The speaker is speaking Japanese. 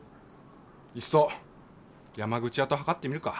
いっそ山口屋と図ってみるか。